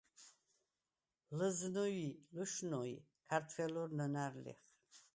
ლჷზნუ ი ლუშნუი̄ ქართველურ ნჷნა̈რ ლიხ.